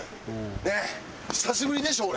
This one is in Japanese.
ねっ久しぶりでしょ俺。